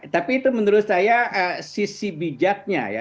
tapi itu menurut saya sisi bijaknya ya